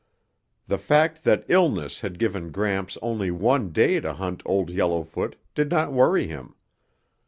The fact that illness had given Gramps only one day to hunt Old Yellowfoot did not worry him.